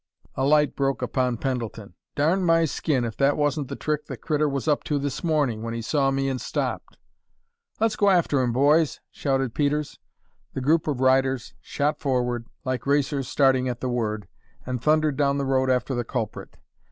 A light broke upon Pendleton. "Darn my skin, if that wasn't the trick the critter was up to this morning, when he saw me and stopped!" "Let's go after him, boys!" shouted Peters. The group of riders shot forward, like racers starting at the word, and thundered down the road after the culprit.